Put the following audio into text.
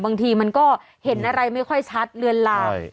บางทีมันก็เห็นอะไรไม่ค่อยชัดเลือนลาม